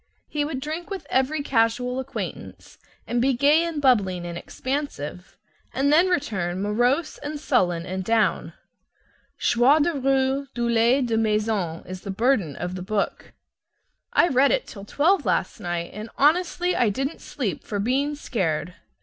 He would drink with every casual acquaintance, and be gay and bubbling and expansive; and then return morose and sullen and down. "Joie de rue, douleur de maison," is the burden of the book. I read it till twelve last night, and honestly I didn't sleep for being scared.